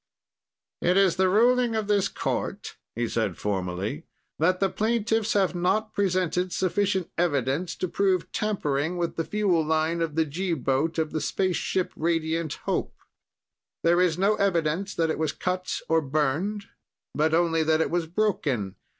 "It is the ruling of this court," he said formally, "that the plaintiffs have not presented sufficient evidence to prove tampering with the fuel line of the G boat of the spaceship Radiant Hope. There is no evidence that it was cut or burned, but only that it was broken.